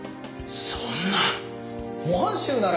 そんな。